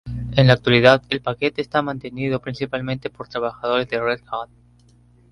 En la actualidad, el paquete está mantenido principalmente por trabajadores de Red Hat.